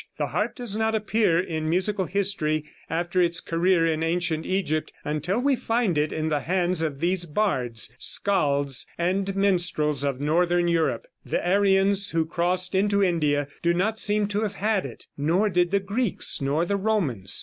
The harp does not appear in musical history after its career in ancient Egypt until we find it in the hands of these bards, scalds and minstrels of northern Europe. The Aryans who crossed into India do not seem to have had it. Nor did the Greeks, nor the Romans.